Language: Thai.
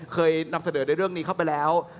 เคยนำเสนอในเรื่องนี้เข้าไปแล้ว